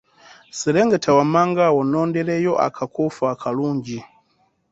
Sserengeta wammanga awo onnondereyo akakuufu akalungi.